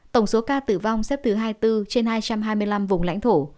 tổng số ca tử vong xếp thứ hai mươi bốn trên hai trăm hai mươi năm vùng lãnh thổ